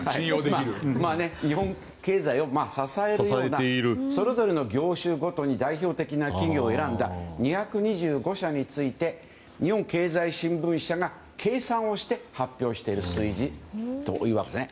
日本経済を支えているそれぞれの業種ごとに代表的な企業を選んだ２２５社について日本経済新聞社が計算をして発表している数字なんです。